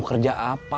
mau kerja apa